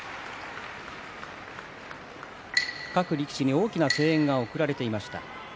各力士に大きな声援が送られていました。